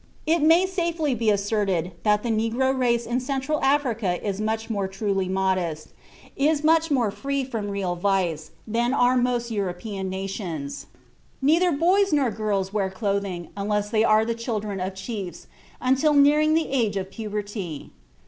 It may safely be asserted that the negro race in Central Africa is much more truly modest, is much more free from real vice, than are most European nations. Neither boys nor girls wear clothing (unless they are the children of chiefs) until nearing the age of puberty.